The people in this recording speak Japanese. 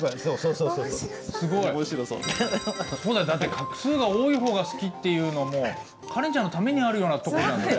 そうだよだって画数が多い方が好きっていうのはもうカレンちゃんのためにあるようなとこじゃんそれ。